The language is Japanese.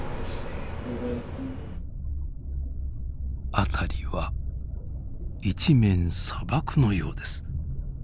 辺りは一面砂漠のようです。